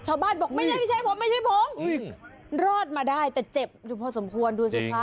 บอกไม่ใช่ไม่ใช่ผมไม่ใช่ผมรอดมาได้แต่เจ็บอยู่พอสมควรดูสิคะ